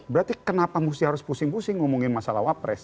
berarti kenapa mesti harus pusing pusing ngomongin masalah wapres